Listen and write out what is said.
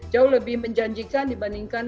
jauh lebih menjanjikan dibandingkan